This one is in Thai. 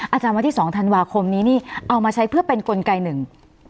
อาจารย์วันที่สองธันวาคมนี้นี่เอามาใช้เพื่อเป็นกลไกหนึ่ง